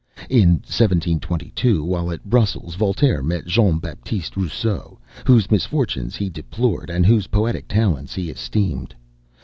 In 1722, while at Brussels, Voltaire met Jean Baptiste Rousseau, whose misfortunes he deplored, and whose poetic talents he esteemed.